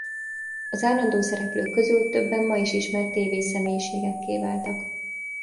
Az állandó szereplők közül többen ma is ismert tévés személyiségekké váltak.